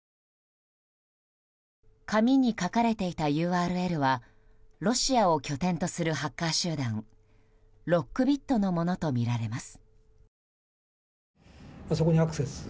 紙に書かれていたＵＲＬはロシアを拠点とするハッカー集団ロックビットのものとみられます。